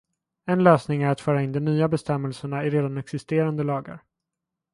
En lösning är att föra in de nya bestämmelserna i redan existerande lagar.